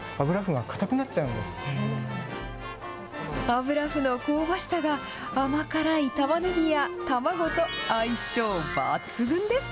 あぶらふの香ばしさが、甘辛いたまねぎや卵と相性抜群です。